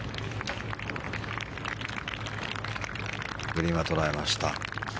グリーンは捉えました。